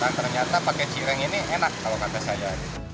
dan ternyata pakai cireng ini enak kalau kata saya